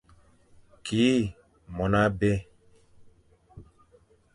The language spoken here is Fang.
Ki mon abé.